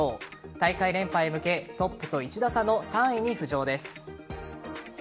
大会連覇へ向けトップと１打差の３位に浮上です。